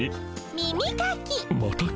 耳かき。